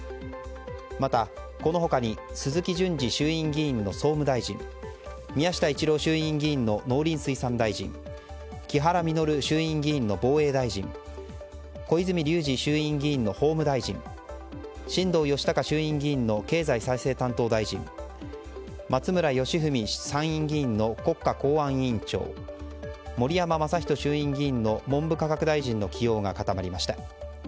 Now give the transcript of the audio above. また、この他に鈴木淳司衆院議員の総務大臣宮下一郎衆院議員の農林水産大臣木原稔衆議院議員の防衛大臣小泉龍司衆院議員の法務大臣新藤義孝衆院議員の経済再生担当大臣松村祥史参議院議員の国家公安委員長盛山正仁衆院議員の起用が固まりました。